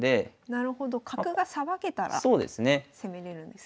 なるほど角がさばけたら攻めれるんですね。